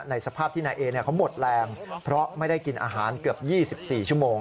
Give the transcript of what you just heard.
สภาพที่นายเอเขาหมดแรงเพราะไม่ได้กินอาหารเกือบ๒๔ชั่วโมง